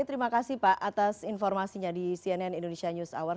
terima kasih pak atas informasinya di cnn indonesia news hour